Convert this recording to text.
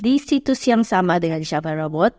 di situs yang sama dengan shabarabot